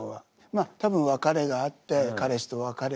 まあ多分別れがあって彼氏と別れて。